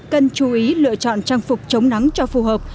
cần chú ý lựa chọn trang phục chống nắng cho phù hợp